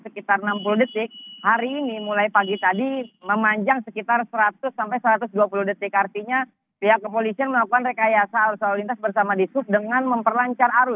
kalau biasanya lampu merah di titik ini